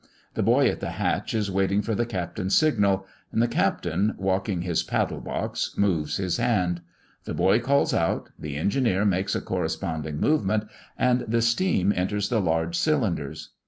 The boy at the hatch is waiting for the captain's signal; and the captain, walking his paddle box, moves his hand; the boy calls out, the engineer makes a corresponding movement, and the steam enters the large cylinders.